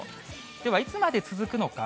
では、いつまで続くのか。